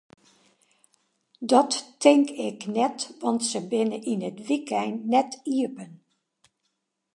Dat tink ik net, want se binne yn it wykein net iepen.